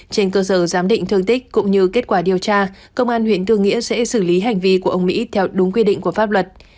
trên cơ sở giám định thương tích cũng như kết quả điều tra công an huyện tư nghĩa sẽ xử lý hành vi của ông mỹ theo đúng quy định của pháp luật